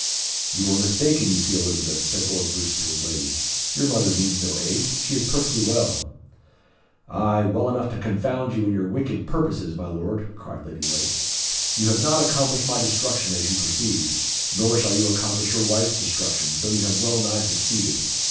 "You were mistaken you see, Elizabeth," said Lord Roos to his lady. "Your mother needs no aid. She is perfectly well." "Ay, well enough to confound you and all your wicked purposes, my Lord," cried Lady Lake. "You have not accomplished my destruction, as you perceive; nor shall you accomplish your wife's destruction, though you have well nigh succeeded.